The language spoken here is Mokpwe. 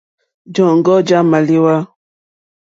Jɔ̀ŋɡɔ́ já !málíwá.